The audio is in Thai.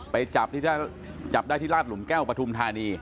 ไปจับได้ที่ราชหลุมแก้วปฐุมธานี